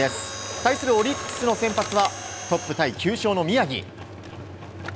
対するオリックスの先発はトップタイ９勝の宮城。